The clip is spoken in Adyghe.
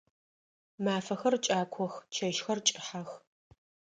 Мафэхэр кӏакох, чэщхэр кӏыхьэх.